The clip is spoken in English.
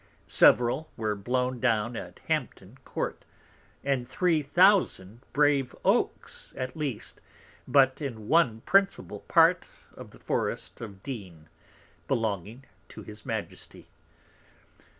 Several were blown down at Hampton Court. And three thousand brave Oaks at least, but in one principal Part of the Forest of Dean, belonging to his Majesty.